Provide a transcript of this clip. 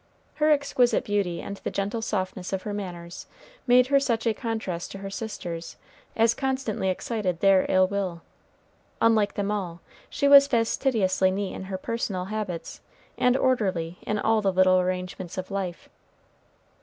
Her exquisite beauty and the gentle softness of her manners made her such a contrast to her sisters as constantly excited their ill will. Unlike them all, she was fastidiously neat in her personal habits, and orderly in all the little arrangements of life.